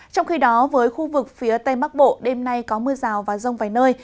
trong khi đó với khu vực phía tây bắc bộ đêm nay có mưa rào và rông vài nơi